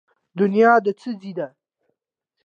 دنیا د څه ځای دی؟